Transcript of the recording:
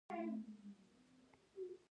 پېغور د پښتون لپاره ډیر سخت دی.